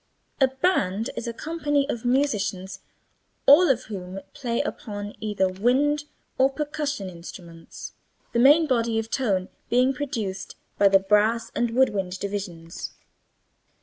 A band is a company of musicians all of whom play upon either wind or percussion instruments, the main body of tone being produced by the brass and wood wind divisions.